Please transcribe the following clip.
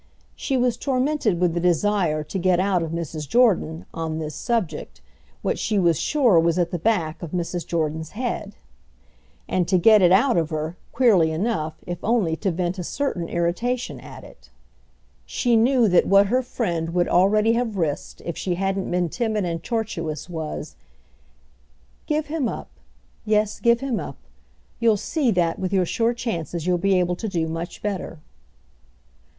She was tormented with the desire to get out of Mrs. Jordan, on this subject, what she was sure was at the back of Mrs. Jordan's head; and to get it out of her, queerly enough, if only to vent a certain irritation at it. She knew that what her friend would already have risked if she hadn't been timid and tortuous was: "Give him up—yes, give him up: you'll see that with your sure chances you'll be able to do much better."